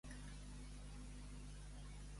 Costar més de trobar que un cabell a la mar.